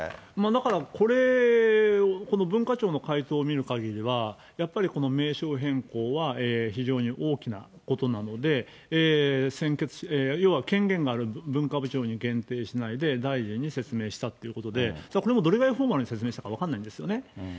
だから、これを、この文化庁の回答を見るかぎりは、やっぱりこの名称変更は非常に大きなことなので、要は権限がある文化部長に限定しないで、大臣に説明したっていうことで、これもどのぐらいフォーマルに説明したのか分からないんですよね。